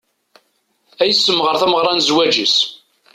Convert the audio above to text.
Ad issemɣer tameɣra n zzwaǧ-is.